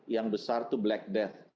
yang besar tuh black death